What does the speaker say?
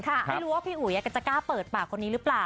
ไม่รู้ว่าพี่อุ๋ยก็จะกล้าเปิดปากคนนี้หรือเปล่า